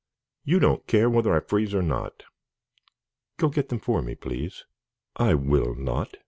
"You don't care whether I freeze or not. Go get them for me, please." "I will not.